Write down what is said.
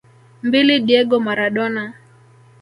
Mbili Diego Maradona